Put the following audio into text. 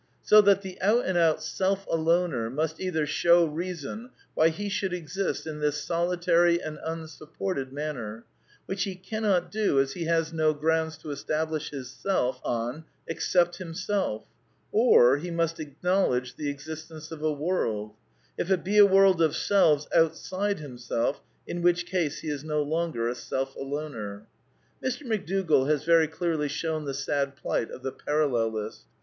So that the out and out Self Aloner must either show reason why he should exist in this solitary and imsup ported manner ; which he cannot do, as he has no grounds to establish his self on except himself ; or he must acknowl edge the existence of a world — if it be a world of selves — outside himseH, in which case he is no longer a Self Aloner. Mr. McDougall has very clearly shown the sad plight of the Parallelist.